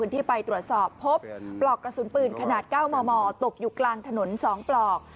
ที่ไปตรวจสอบพบปลอกกระสุนปืนขนาด๙มมตกอยู่กลางถนน๒ปลอก